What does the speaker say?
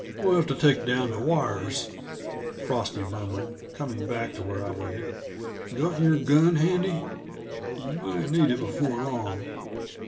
"We'll have to take down the wires," Frosty murmured, coming back to where I waited. "Got your gun handy? Yuh might need it before long."